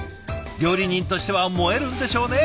料理人としては燃えるんでしょうね。